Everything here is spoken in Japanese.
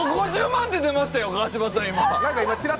５、５、５０万って出ましたよ！